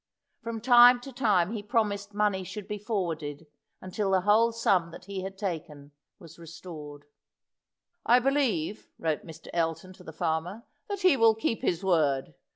From time to time he promised money should be forwarded until the whole sum that he had taken was restored. "I believe," wrote Mr. Elton to the farmer, "that he will keep his word.